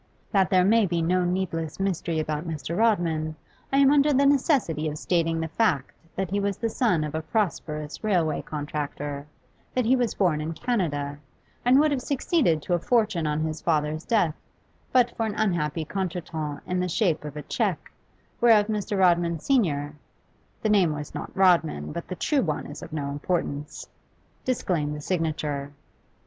That there may be no needless mystery about Mr. Rodman, I am under the necessity of stating the fact that he was the son of a prosperous railway contractor, that he was born in Canada, and would have succeeded to a fortune on his father's death, but for an unhappy contretemps in the shape of a cheque, whereof Mr. Rodman senior (the name was not Rodman, but the true one is of no importance) disclaimed the signature.